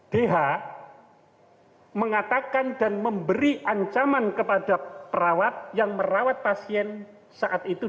dh mengatakan dan memberi ancaman kepada perawat yang merawat pasien saat itu